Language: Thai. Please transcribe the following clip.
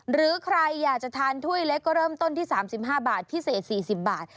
หรือใครอยากจะทานถ้วยเล็กก็เริ่มต้นที่๓๕บาทพิเศษ๔๐บาท